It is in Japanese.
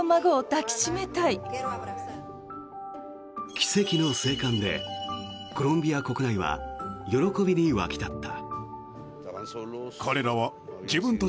奇跡の生還でコロンビア国内は喜びに沸き立った。